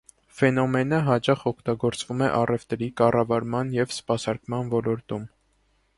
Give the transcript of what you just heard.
Ֆենոմենը հաճախ օգտագործվում է առևտրի, կառավարման և սպասարկման ոլորտում։